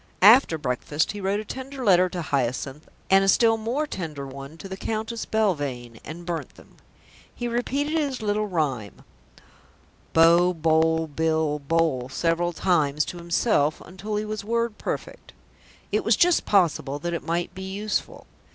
After breakfast he wrote a tender letter to Hyacinth and a still more tender one to the Countess Belvane, and burnt them. He repeated his little rhyme, "Bo, Boll, Bill, Bole," several times to himself until he was word perfect. It was just possible that it might be useful.